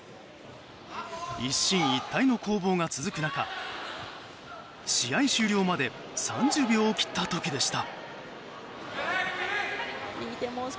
一進一退の攻防が続く中試合終了まで３０秒を切った時でした。